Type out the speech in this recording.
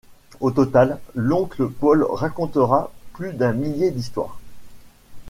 Au total, l'oncle Paul racontera plus d'un millier d'histoires.